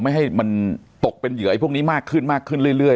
ไม่ให้มันตกเป็นเหยื่อไอพวกนี้มากขึ้นมากขึ้นเรื่อย